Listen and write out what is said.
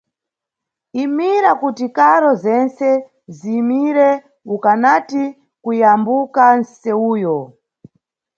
Imira kuti karo zentse ziyimire ukanati kuyambuka nʼsewuyo.